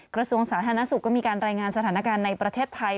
กระทรวงสาธารณสุขก็มีการรายงานสถานการณ์ในประเทศไทย